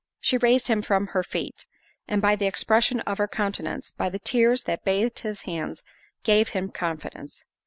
She raised him from her feet, and by the expression of her countenance, by the tears that bathed his hands, gave him confidence.